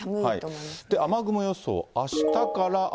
雨雲予想、あしたから雨。